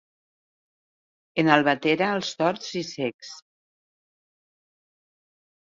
En Albatera, els torts i cecs.